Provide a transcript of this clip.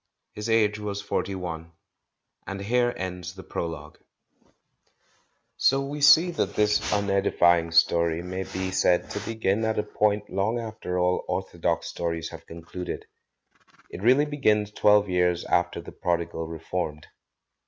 His age was forty one. And here ends the prologue. S88 THE MAN WHO UNDERSTOOD WOMEN So we see that this unedifying story may be said to begin at a point long after all orthodox stories have concluded — it really begins twelve years after the prodigal reformed.